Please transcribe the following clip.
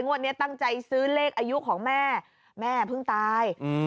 วันนี้ตั้งใจซื้อเลขอายุของแม่แม่เพิ่งตาย